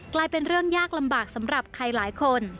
กลายเป็นเรื่องยากลำบากสำหรับใครหลายคน